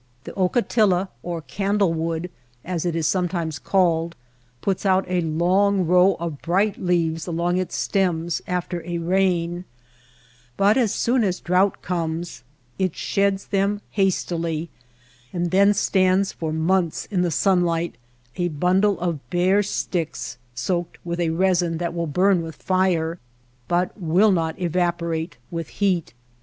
The ocatilla, or "candle wood " as it is sometimes called, puts out a long row of bright leaves along its stems after a rain, but as soon as drouth comes it sheds them has tily and then stands for months in the sunlight — a bundle of bare sticks soaked with a resin that will burn with fire, but will not evaporate with heat.